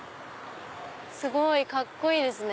すごいカッコいいですね。